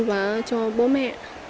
và cho bố mẹ